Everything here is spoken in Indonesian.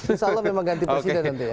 insya allah memang ganti presiden nanti ya